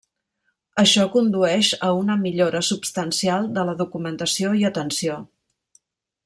Això condueix a una millora substancial de la documentació i atenció.